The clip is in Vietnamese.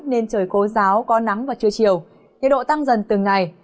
nên trời cố giáo có nắng vào trưa chiều nhiệt độ tăng dần từng ngày